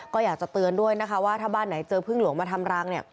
ก็อยากจะเตือนด้วยนะคะว่าถ้าบ้านไหนเจอพึ่งหลวงมาทำรังเนี่ย